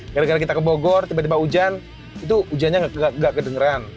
gara gara kita ke bogor tiba tiba hujan itu hujannya nggak kedengeran